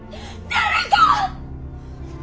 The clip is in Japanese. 誰か！